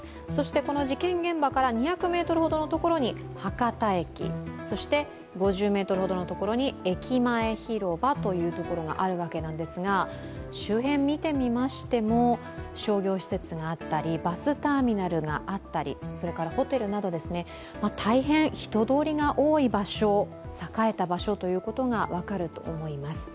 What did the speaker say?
この事件現場から２００ｍほどのところに博多駅、そして５０ｍほどのところに駅前広場というところがあるわけなんですが周辺見てみましても商業施設があったりバスターミナルがあったりホテルなど、大変人通りが多い場所、栄えた場所ということが分かると思います。